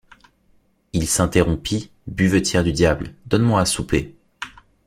Il s’interrompit: — Buvetière du diable, donne-moi à souper.